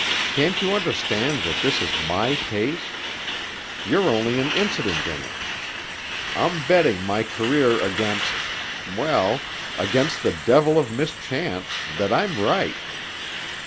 Can't you understand that this is my case? You're only an incident in it. I'm betting my career against—well, against the devil of mischance, that I'm right.